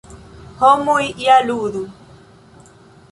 Homoj ja ludu.